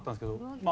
まあ